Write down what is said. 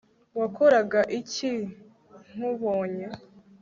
Wakoraga iki nkubonye